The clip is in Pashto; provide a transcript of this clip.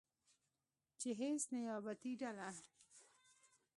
چې هیڅ نیابتي ډله